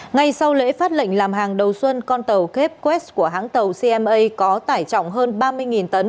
ngay sau lễ phát lệnh làm hàng đầu xuân con tàu kep west của hãng tàu cma có tải trọng hơn ba mươi tấn